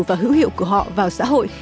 và hữu hiệu của họ vào xã hội